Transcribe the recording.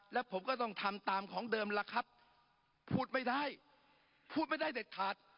แล้วผมก็ต้องทำตามของเดิมล่ะครับพูดไม่ได้พูดไม่ได้เด็ดขาด